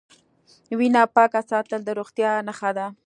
وینه پاکه ساتل د روغتیا نښه ده.